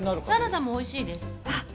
サラダもおいしいです。